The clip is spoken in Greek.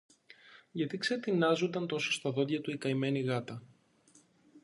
Γιατί ξετινάζουνταν τόσο στα δόντια του η καημένη η γάτα